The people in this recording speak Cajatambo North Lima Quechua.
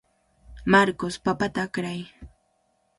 Marcos, papata akray.